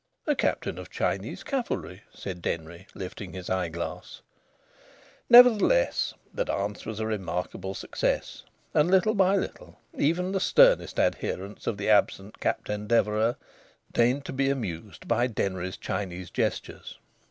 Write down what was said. "A Captain of Chinese cavalry," said Denry, lifting his eyeglass. Nevertheless, the dance was a remarkable success, and little by little even the sternest adherents of the absent Captain Deverax deigned to be amused by Denry's Chinese gestures.